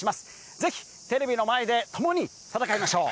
ぜひ、テレビの前で共に戦いましょう。